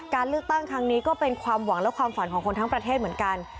การเลือกตั้งครั้งนี้ก็เป็นความหวังและความฝันของคนทั้งประเทศเหมือนกัน